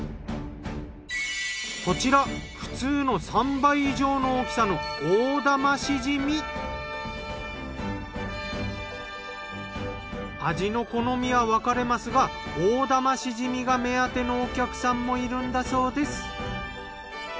こちら普通の３倍以上の大きさの味の好みは分かれますが大玉シジミが目当てのお客さんもいるんだそうです。